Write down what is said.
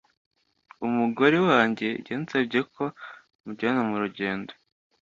Umugore wanjye yansabye ko namujyana mu rugendo